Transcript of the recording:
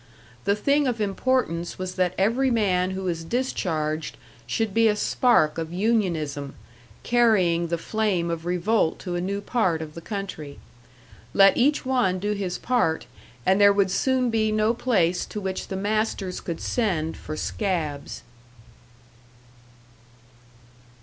The thing of importance was that every man who was discharged should be a spark of unionism, carrying the flame of revolt to a new part of the country. Let each one do his part, and there would soon be no place to which the masters could send for "scabs."